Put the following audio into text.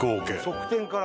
側転から。